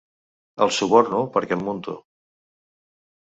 El suborno perquè el munto.